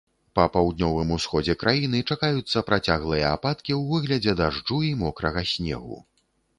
Па паўднёвым усходзе краіны чакаюцца працяглыя ападкі ў выглядзе дажджу і мокрага снегу.